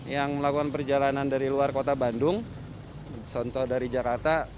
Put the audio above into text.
yang melakukan perjalanan dari luar kota bandung contoh dari jakarta